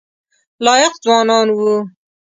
لایق ځوانان وو.